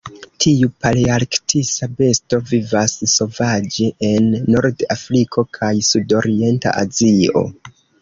Tiu palearktisa besto vivas sovaĝe en Nord-Afriko kaj sudorienta Azio.